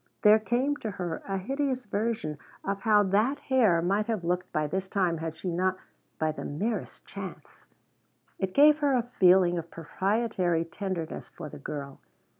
There came to her a hideous vision of how that hair might have looked by this time had she not by the merest chance It gave her a feeling of proprietary tenderness for the girl.